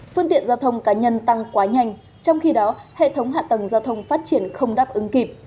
phương tiện giao thông cá nhân tăng quá nhanh trong khi đó hệ thống hạ tầng giao thông phát triển không đáp ứng kịp